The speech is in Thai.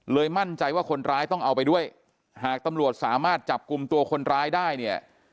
มั่นใจว่าคนร้ายต้องเอาไปด้วยหากตำรวจสามารถจับกลุ่มตัวคนร้ายได้เนี่ย